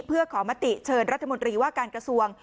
เพื่อขอมติเชิญรัฐมนตรีว่าการกระทรวง